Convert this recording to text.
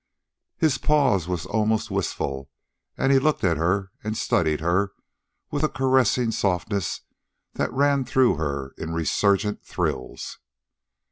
His pause was almost wistful, and he looked at her and studied her with a caressing softness that ran through her in resurgent thrills.